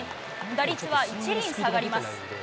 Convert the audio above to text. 打率は１厘下がります。